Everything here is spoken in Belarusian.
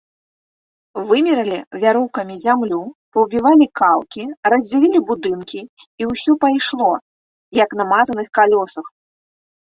Вымералі вяроўкамі зямлю, паўбівалі калкі, раздзялілі будынкі, і ўсё пайшло, як на мазаных калёсах.